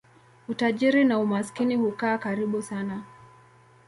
Utajiri na umaskini hukaa karibu sana.